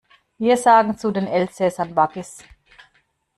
Wir sagen zu den Elsäßern Waggis.